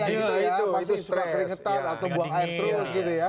pasti suka keringetan atau buang air terus gitu ya